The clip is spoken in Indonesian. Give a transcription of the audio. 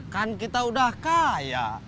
kan kita udah kaya